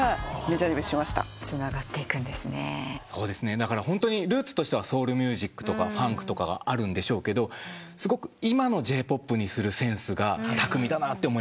だからホントにルーツとしてはソウルミュージックとかファンクがあるんでしょうけどすごく今のＪ−ＰＯＰにするセンスが巧みだなって思いますね。